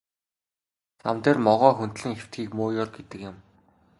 Зам дээр могой хөндлөн хэвтэхийг муу ёр гэдэг юм.